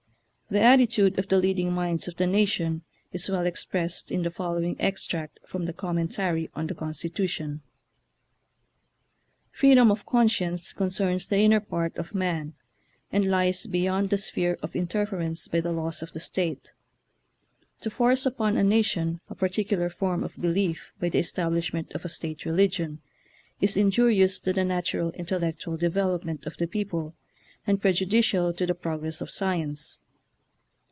The attitude of the leading minds of the nation is well expressed in the following extract from the Commen tary on the Constitution: "Freedom of conscience concerns the inner part of man, and lies beyond the sphere of inter ference by the laws of the state. To force upon a nation a particular form of belief by the establishment of a state religion is injurious to the natural intellectual development of the people, and prejudicial to the progress of science.